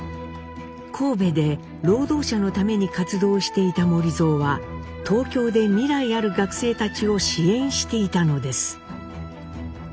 神戸で労働者のために活動していた守造は東京で未来ある学生たちを支援していたのです。